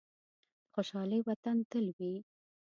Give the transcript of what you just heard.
د خوشحال وطن تل وي.